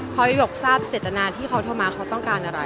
เพราะหยกทราบเจ็ดตนาที่เขาเที่ยวมาเขาต้องการอะไร